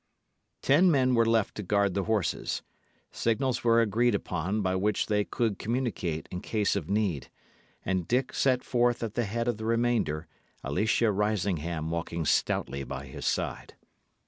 Ten men were left to guard the horses; signals were agreed upon by which they could communicate in case of need; and Dick set forth at the head of the remainder, Alicia Risingham walking stoutly by his side.